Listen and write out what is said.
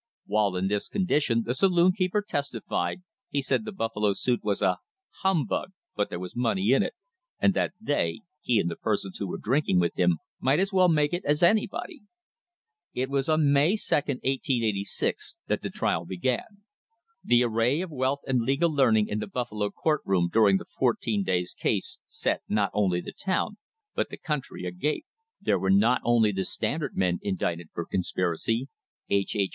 While in this condition, the saloon keeper testified, he said the Buffalo suit was a humbug, but there was money in it and that they (he and the persons who were drinking with him) might as well make it as anybody. It was on May 2, 1886, that the trial began. The array of wealth and legal learning in the Buffalo court room during the fourteen days' case set not only the town, but the country agape. There were not only the Standard men indicted for conspiracy H. H.